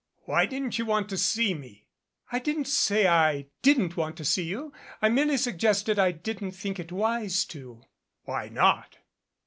"Why didn't you want to see me ?" "I didn't say I didn't want to see you. I merely sug gested that I didn't think it wise to." "Why not?"